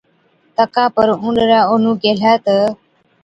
تڪا پر اُونڏرَي اونهُون ڪيهلَي تہ،